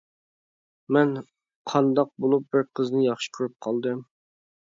مەن قانداق بولۇپ بىر قىزنى ياخشى كۆرۈپ قالدىم.